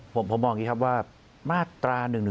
ผมบอกอย่างนี้ครับว่ามาตรา๑๑๒